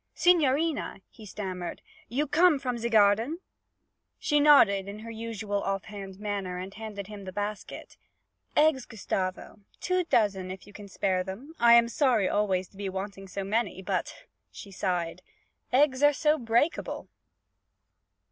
'Signorina!' he stammered. 'You come from ze garden?' She nodded in her usual off hand manner and handed him the basket. 'Eggs, Gustavo two dozen if you can spare them. I am sorry always to be wanting so many, but' she sighed 'eggs are so breakable!'